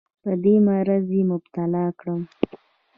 په دې مرض یې مبتلا کړم.